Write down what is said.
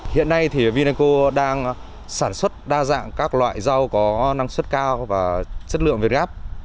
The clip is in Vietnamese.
hiện nay thì vineco đang sản xuất đa dạng các loại rau có năng suất cao và chất lượng việt gáp